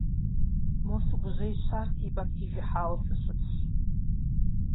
Мо сыгужьеищар си пӀэм сижыхьауэ сыщытщ.